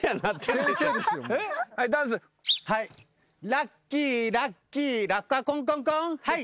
「ラッキィラッキィラッカコンコンコン」